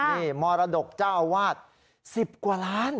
นี่มรดกเจ้าอาวาส๑๐กว่าล้าน